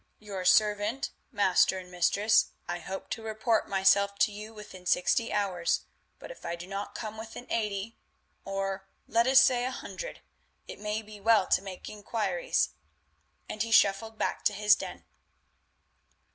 Your servant, master and mistress, I hope to report myself to you within sixty hours, but if I do not come within eighty, or let us say a hundred, it may be well to make inquiries," and he shuffled back to his den.